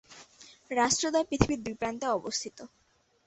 রাষ্ট্রদ্বয় পৃথিবীর দুই প্রান্তে অবস্থিত।